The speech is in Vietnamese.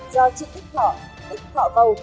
do chị thích họ thích họ vâu